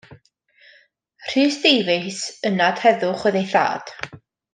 Rhys Davies, ynad heddwch, oedd ei thad.